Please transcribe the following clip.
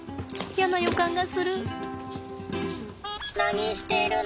やな予感がする。